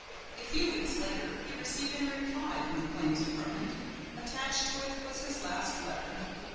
A few weeks later he received a reply from the Claims Department. Attached to it was his last letter.